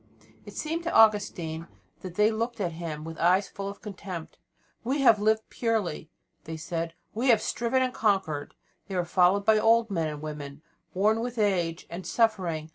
It seemed to Augustine as if they looked at him with eyes full of contempt. "We have lived purely," they said, "we have striven and conquered." They were followed by old men and women, worn with age and suffering.